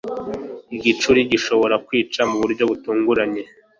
igicuri gishobora kwica mu buryo butunguranye.